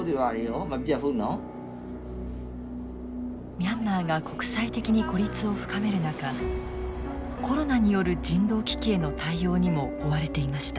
ミャンマーが国際的に孤立を深める中コロナによる人道危機への対応にも追われていました。